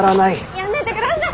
やめてください！